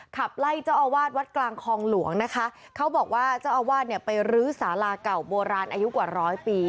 ขับไล่เจ้าอาวาสวัดกลางคลองหลวงนะคะเขาบอกว่าเจ้าอาวาสเนี่ยไปรื้อสาราเก่าโบราณอายุกว่าร้อยปี